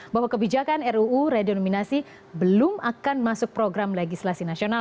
bahwa kebijakan ruu redenominasi belum akan masuk program legislasi nasional